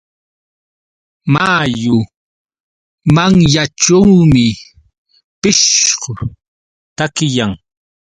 Mayu manyanćhuumi pishqu takiyan.